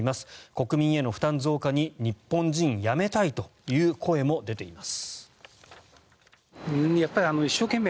国民への負担増加に日本人やめたいという声も出ています。